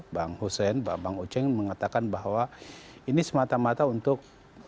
bang hussein bang uceng mengatakan bahwa ini semata mata untuk